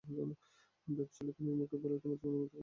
ভেবেছিলে তুমি মুখে বললেই আমি তোমার জীবন থেকে মুছে যাব?